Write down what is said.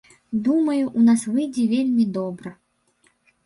Думаю, у нас выйдзе вельмі добра.